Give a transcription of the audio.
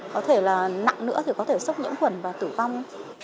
có thể là nặng nữa thì có thể sốc nhiễm khuẩn và tử vong